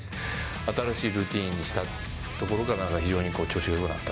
新しいルーティンにしたところから非常に調子がよくなった。